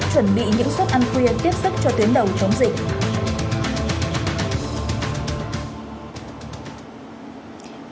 chuẩn bị những suất ăn khuya tiếp sức cho tuyến đầu chống dịch